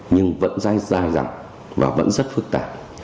nhưng vẫn dài dặn và vẫn rất phức tạp